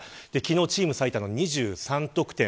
昨日、チーム最多の２３得点。